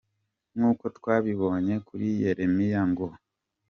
Nkuko twabibonye kuri Yeremiya ngo “….